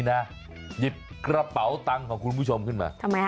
หยิบกระเป๋าตังค์ของคุณผู้ชมขึ้นมา